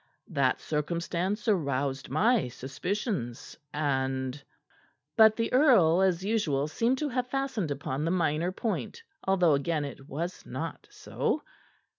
That circumstance aroused my suspicions, and " But the earl, as usual, seemed to have fastened upon the minor point, although again it was not so.